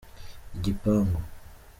igipangu.